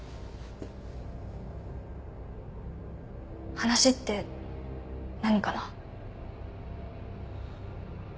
話って何かな？